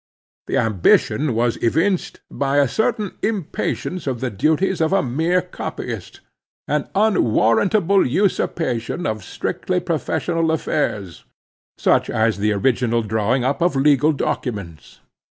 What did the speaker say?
The ambition was evinced by a certain impatience of the duties of a mere copyist, an unwarrantable usurpation of strictly professional affairs, such as the original drawing up of legal documents.